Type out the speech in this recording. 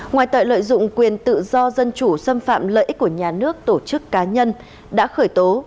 ngoài tội lợi dụng quyền tự do dân chủ xâm phạm lợi ích của nhà nước tổ chức cá nhân đã khởi tố